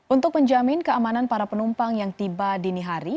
untuk menjamin keamanan para penumpang yang tiba dini hari